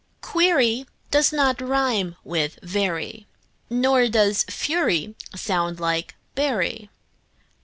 Query does not rime with very, Nor does fury sound like bury.